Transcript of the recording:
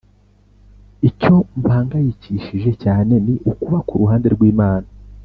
icyo mpangayikishije cyane ni ukuba ku ruhande rw'imana,